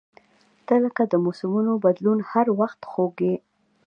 • ته لکه د موسمونو بدلون، خو هر وخت خوږ یې.